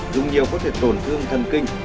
dùng nhiều có thể tổn thương thần kinh